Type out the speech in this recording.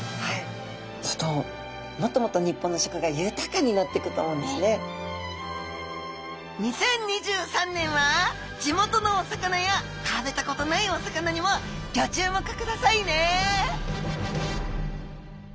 そうすると２０２３年は地元のお魚や食べたことないお魚にもギョ注目くださいね！